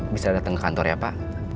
bisa datang ke kantor ya pak